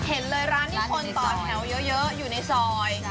เห็นเลยร้านนี้คนต่อแถวเยอะอยู่ในซอย